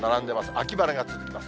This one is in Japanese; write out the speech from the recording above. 秋晴れが続きます。